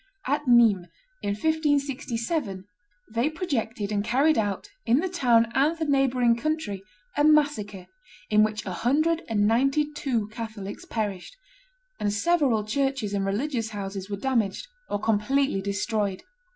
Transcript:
At Nimes, in 1567, they projected and carried out, in the town and the neighboring country, a massacre in which a hundred and ninety two Catholics perished; and several churches and religious houses were damaged or completely destroyed.